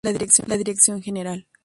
La Dirección Gral.